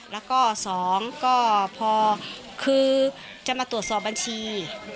แล้วก็๒ก็พอคือจะมาตรวจสอบบัญชี